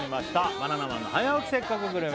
バナナマンの「早起きせっかくグルメ！！」